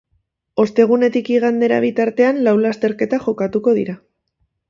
Ostegunetik igandera bitartean lau lasterketa jokatuko dira.